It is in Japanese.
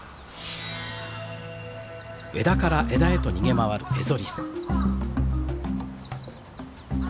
枝から枝へと逃げ回るエゾリス。